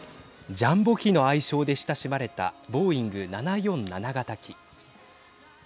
ジャンボ機の愛称で親しまれたボーイング７４７型機。